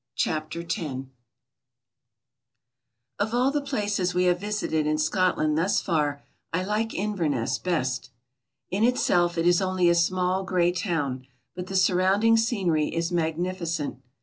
Google TEN o nf all the places we have visited in Scotland thus far I tike Inverness best. In itself it is only a small gray town but the surrounding scenery is magnificent.